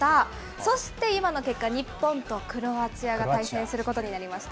そして今の結果、日本とクロアチアが対戦することになりました。